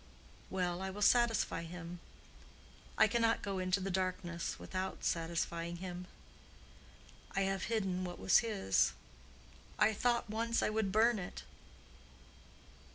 Well, I will satisfy him. I cannot go into the darkness without satisfying him. I have hidden what was his. I thought once I would burn it.